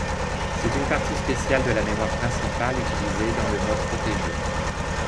C'est une partie spéciale de la mémoire principale utilisée dans le mode protégé.